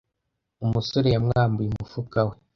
Umusore yamwambuye umufuka we.